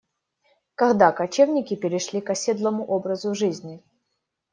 Когда кочевники перешли к оседлому образу жизни?